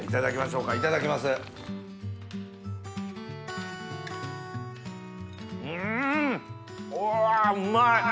うわうまい！